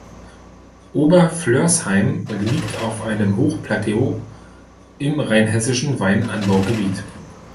Ober-Flörsheim liegt auf einem Hochplateau im rheinhessischen Weinanbaugebiet.